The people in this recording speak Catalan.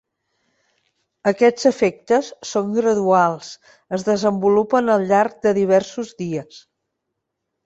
Aquests efectes són graduals, es desenvolupen al llarg de diversos dies.